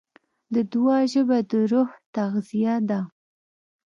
د دعا ژبه د روح تغذیه ده.